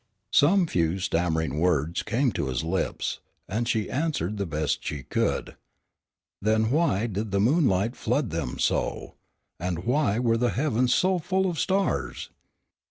Some few stammering words came to his lips, and she answered the best she could. Then why did the moonlight flood them so, and why were the heavens so full of stars?